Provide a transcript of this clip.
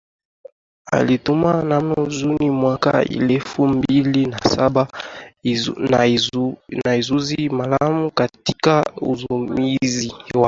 alihitimu mnamo Juni mwaka elfu mbili na saba na ujuzi maalum katika Usimamizi wa